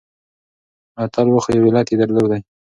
اتل و خو يو علت يې درلودی .